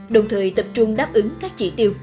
đồng thời tập trung đáp ứng các chỉ tiêu